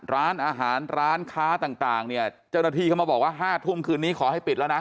ร้านอาหารร้านค้าต่างเนี่ยเจ้าหน้าที่เข้ามาบอกว่า๕ทุ่มคืนนี้ขอให้ปิดแล้วนะ